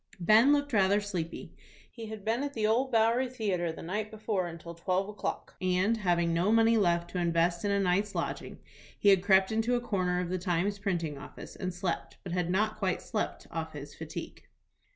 Ben looked rather sleepy. He had been at the Old Bowery Theatre the night before until twelve o'clock, and, having no money left to invest in a night's lodging, he had crept into a corner of the "Times" printing office, and slept, but had not quite slept off his fatigue.